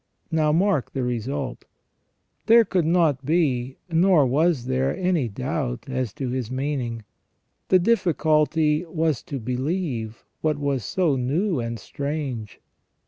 Now mark the result. There could not be, nor was there, any doubt as to His meaning. The difficulty was to believe what was so new and strange.